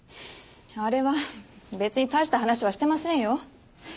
あれは別に大した話はしてませんよ。